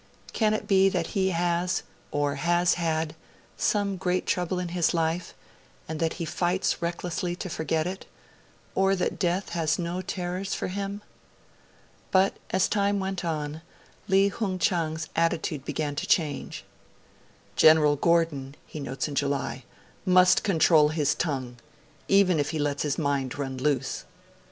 Can it be that he has, or has had, some great trouble in his life, and that he fights recklessly to forget it, or that Death has no terrors for him?' But, as time went on, Li Hung Chang's attitude began to change. 'General Gordon,' he notes in July, 'must control his tongue, even if he lets his mind run loose.'